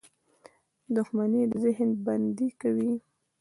• دښمني د ذهن بندي کوي.